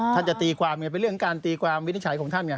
ถ้าจะตีการ์กณะเนี่ยไปเรื่องการตีการ์มวินิจฉัยของท่านเนี่ย